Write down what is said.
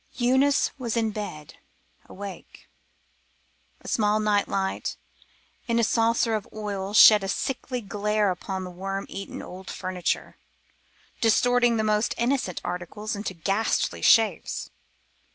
Eunice was in bed, awake. A small nightlight in a saucer of oil shed a sickly glare upon the worm eaten old furniture, distorting the most innocent articles into ghastly shapes.